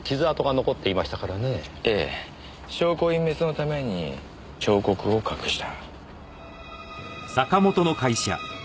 証拠隠滅のために彫刻を隠した。